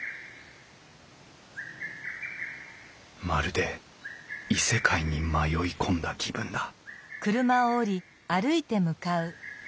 まるで異世界に迷い込んだ気分だ